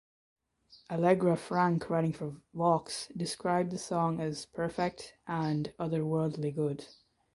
Allegra Frank writing for "Vox" described the song as "perfect" and "otherworldly good".